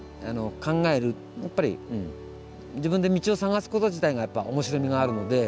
やっぱり自分で道を探すこと自体が面白みがあるので。